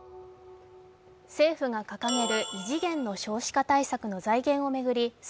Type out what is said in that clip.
政府が掲げる異次元の少子化対策の財源を巡り菅